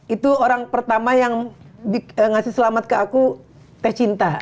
itu orang pertama yang ngasih selamat ke aku teh cinta